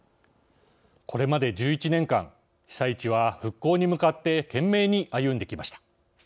これまで１１年間被災地は復興に向かって懸命に歩んできました。